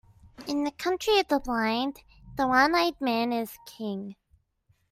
In the country of the blind, the one-eyed man is king.